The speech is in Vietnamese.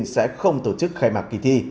sẽ không tổ chức khai mạc kỳ thi